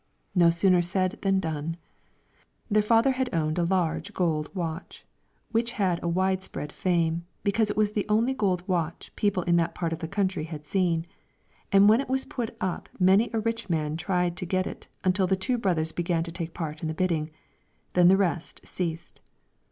No sooner said than done. Their father had owned a large gold watch, which had a wide spread fame, because it was the only gold watch people in that part of the country had seen, and when it was put up many a rich man tried to get it until the two brothers began to take part in the bidding; then the rest ceased.